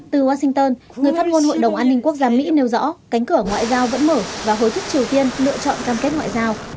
từ washington người phát ngôn hội đồng an ninh quốc gia mỹ nêu rõ cánh cửa ngoại giao vẫn mở và hối thúc triều tiên lựa chọn cam kết ngoại giao